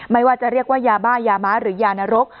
ไม่ว่าจะเรียกว่ายาบ้ายาม้าหรือยานรก